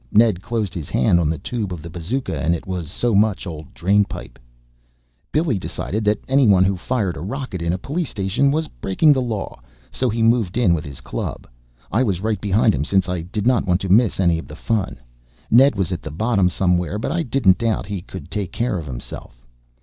Ned closed his hand on the tube of the bazooka and it was so much old drainpipe. Billy decided then that anyone who fired a rocket in a police station was breaking the law, so he moved in with his club. I was right behind him since I did not want to miss any of the fun. Ned was at the bottom somewhere, but I didn't doubt he could take care of himself.